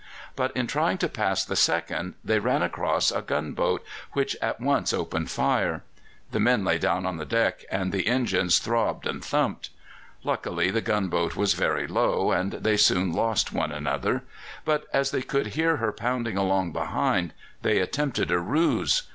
But in trying to pass the second they ran across a gunboat, which at once opened fire. The men lay down on the deck, and the engines throbbed and thumped. Luckily the gunboat was very slow, and they soon lost one another; but as they could hear her pounding along behind, they attempted a ruse.